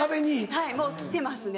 はいもう来てますね。